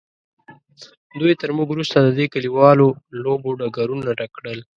دوی تر موږ وروسته د دې کلیوالو لوبو ډګرونه ډک کړل.